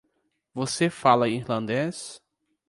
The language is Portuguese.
Você fala irlandês?